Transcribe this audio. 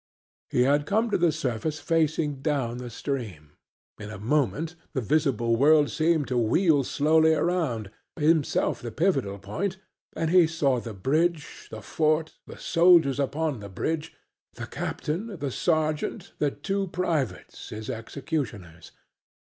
He had come to the surface facing down the stream; in a moment the visible world seemed to wheel slowly round, himself the pivotal point, and he saw the bridge, the fort, the soldiers upon the bridge, the captain, the sergeant, the two privates, his executioners.